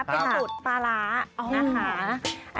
เป็นสูตรปลาร้านะคะ